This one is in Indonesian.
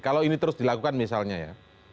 kalau ini terus dilakukan misalnya ya